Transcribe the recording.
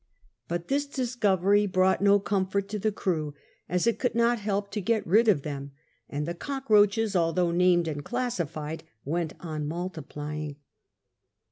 But this discovery brought no comfort to the crew, as it could not help to gdt rid of them ; and the cockroaches, although named and classified, went on multiplying.